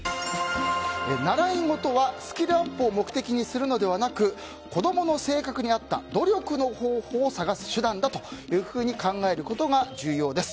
習い事はスキルアップを目的にするのではなく子供の性格に合った努力の方法を探す手段だと考えることが重要です。